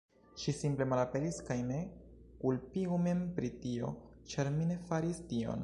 Ŝi simple malaperis kaj ne kulpigu min pri tio ĉar mi ne faris tion